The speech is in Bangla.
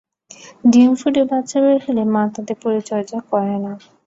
ডিম ফুটে বাচ্চা বের হলে মা তাদের পরিচর্যা করে না।